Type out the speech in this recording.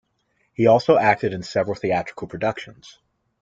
He also acted in several theatrical productions.